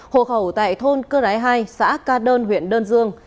hộ khẩu tại thôn cơ rái hai xã ca đơn huyện đơn dương